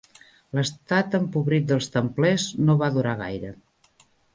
L'estat empobrit dels templers no va durar gaire.